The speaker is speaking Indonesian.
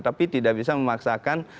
tapi tidak bisa memaksakan